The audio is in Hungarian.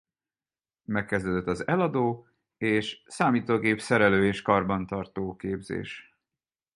Megkezdődött az Eladó és Számítógép szerelő és karbantartó képzés.